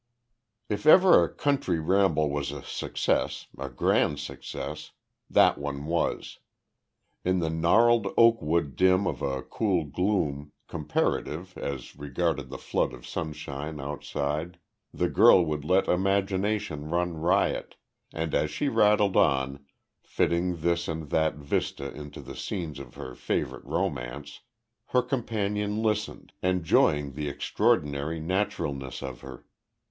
If ever a country ramble was a success, a grand success, that one was. In the gnarled oak wood dim in cool gloom, comparative, as regarded the flood of sunshine outside, the girl would let imagination run riot, and as she rattled on fitting this and that vista into the scenes of her favourite romance her companion listened, enjoying the extraordinary naturalness of her.